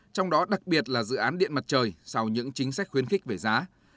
trong đó đặc biệt là dự án điện mặt trời sau những chính sách khuyến khích về giá